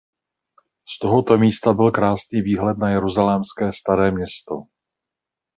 Z tohoto místa byl krásný výhled na jeruzalémské staré město.